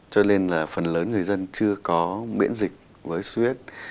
cho nên là phần lớn người dân chưa có miễn dịch với suốt huyết